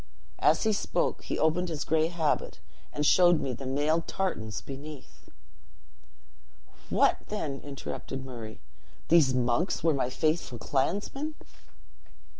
As he spoke, he opened his gray habit, and showed me the mailed tartans beneath." "What, then!" interrupted Murray, "these monks were my faithful clansmen?"